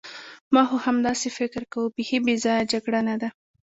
ما خو همداسې فکر کاوه، بیخي بې ځایه جګړه نه ده.